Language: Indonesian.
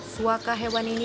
suaka hewan ini disilakan